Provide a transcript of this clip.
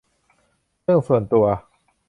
เรื่องส่วนตัว